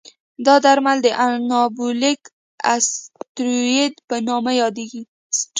دا درمل د انابولیک استروئید په نامه یادېږي.